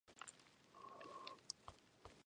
昨夜。ゆうべ。